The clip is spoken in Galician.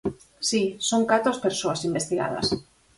Si, son catro as persoas investigadas.